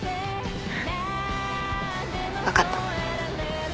分かった。